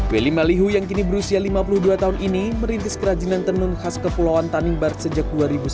welly malihu yang kini berusia lima puluh dua tahun ini merintis kerajinan tenun khas kepulauan tanimbar sejak dua ribu sembilan belas